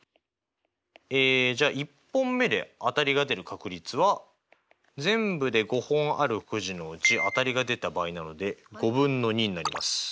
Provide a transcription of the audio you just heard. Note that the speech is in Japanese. えじゃあ１本目で当たりが出る確率は全部で５本あるくじのうち当たりが出た場合なので５分の２になります。